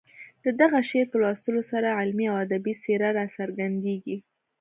د دغه شعر په لوستلو سره علمي او ادبي څېره راڅرګندېږي.